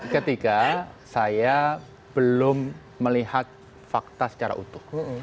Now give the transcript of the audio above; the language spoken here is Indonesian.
ketika saya belum melihat fakta secara utuh